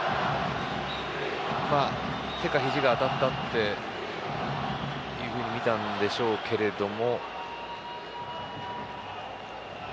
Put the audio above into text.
手かひじが当たったって見たんでしょうけれども。